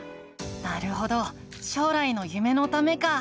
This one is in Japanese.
なるほど将来の夢のためか。